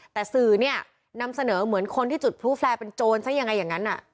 แต่สื่อเนี่ยนำเสนอเหมือนคนที่จุดพลุแฟร์เป็นโจรซะยังไงอย่างนั้น